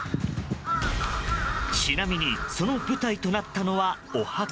ちなみにその舞台となったのはお墓。